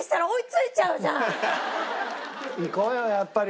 いこうよやっぱり。